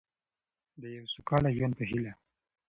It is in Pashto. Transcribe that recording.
د یو سوکاله ژوند په هیله.